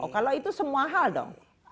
kalau itu semua hal dong